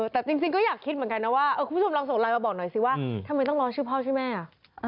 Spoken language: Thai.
แต่จริงก็อยากคิดเหมือนกันนะว่าคุณผู้ชมลองส่งไลน์มาบอกหน่อยสิว่าทำไมต้องรอชื่อพ่อชื่อแม่อ่ะ